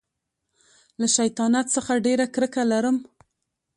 له شیطانت څخه ډېره کرکه لرم.